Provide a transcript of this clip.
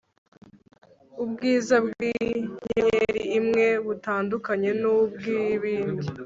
ubwiza bw inyenyeri imwe butandukanye n ubw indi